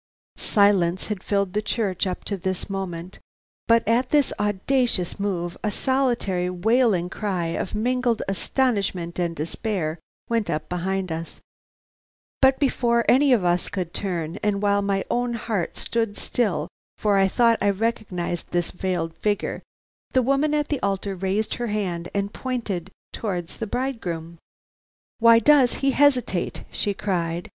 Silence had filled the church up to this moment; but at this audacious move, a solitary wailing cry of mingled astonishment and despair went up behind us; but before any of us could turn, and while my own heart stood still, for I thought I recognized this veiled figure, the woman at the altar raised her hand and pointed towards the bridegroom. "Why does he hesitate?" she cried.